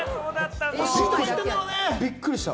びっくりした！